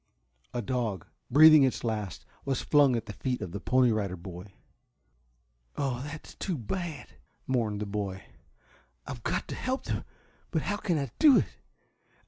A dog, breathing its last, was flung at the feet of the Pony Rider Boy. "Oh, that's too bad," mourned the boy. "I've got to help them! But how can I do it?